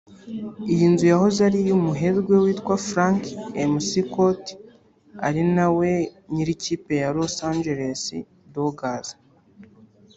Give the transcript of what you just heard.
Iyi nzu yahoze ari iy’umuherwe witwa Frank McCourt ari na we nyir’ikipe ya Los Angeles Dogers